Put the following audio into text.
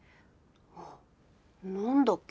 あっなんだっけ？